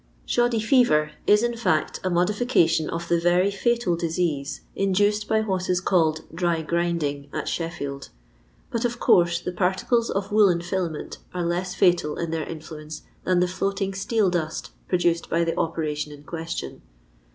Shoddy fever" is, in fact, a modification of the very latal disease induced by what is called "dry grinding" at Sheffield; but of course the particles of woollen filament are less fatal in their influence than the floating steel dust produced by the operation in question.